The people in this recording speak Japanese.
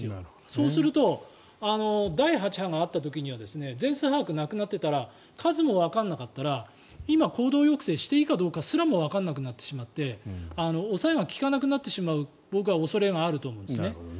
そうすると第８波があった時には全数把握がなくなってたら数もわからなかったら今、行動抑制していいかどうかすらわからなくなってしまって抑えが利かなくなってしまう僕は恐れがあると思います。